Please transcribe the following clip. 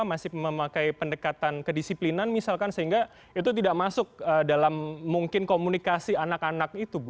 masih memakai pendekatan kedisiplinan misalkan sehingga itu tidak masuk dalam mungkin komunikasi anak anak itu bu